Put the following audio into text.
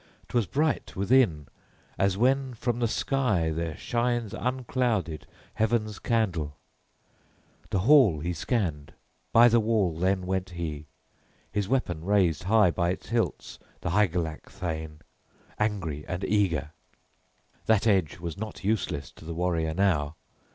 'Twas bright within as when from the sky there shines unclouded heaven's candle. The hall he scanned. By the wall then went he; his weapon raised high by its hilts the Hygelac thane, angry and eager. That edge was not useless to the warrior now.